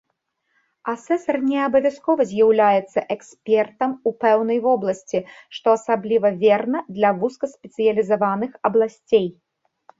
Асэсар не абавязкова з'яўляецца экспертам у пэўнай вобласці, што асабліва верна для вузкаспецыялізаваных абласцей.